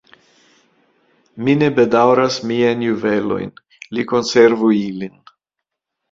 Mi ne bedaŭras miajn juvelojn; li konservu ilin!